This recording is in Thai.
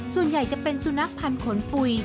ส่วนใหญ่จะเป็นสุนัขพันธ์ขนปุ๋ย